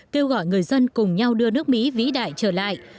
kêu gọi người dân cùng nhau đưa nước mỹ vĩ đại trở lại